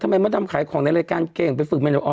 ทำไมมาทำขายของในรายการเก่งไปฝึกมันเหรอ